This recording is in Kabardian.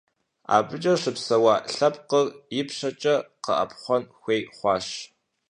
АбыкӀэ щыпсэуа лъэпкъыр ипщэкӀэ къэӀэпхъуэн хуей хъуащ.